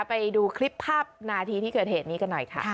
ไปดูคลิปภาพนาทีที่เกิดเหตุนี้กันหน่อยค่ะ